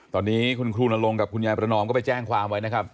ตอนนี้คุณครูนรงค์กับคุณยายประนอมก็ไปแจ้งความไว้นะครับ